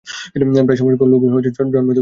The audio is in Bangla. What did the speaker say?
প্রায় সমসংখ্যক লোক জন্মায় দুঃখকে বরণ করবার জন্য।